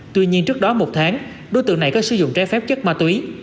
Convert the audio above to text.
tuy nhiên trước đó một tháng đối tượng này có sử dụng trái phép chất ma túy